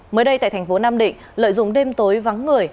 mới đây tại thành phố nam định lợi dụng đêm tối vắng người